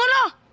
gak ada apa apa